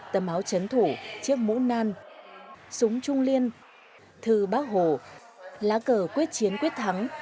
tầm áo chấn thủ chiếc mũ nan súng trung liên thư bác hồ lá cờ quyết chiến quyết thắng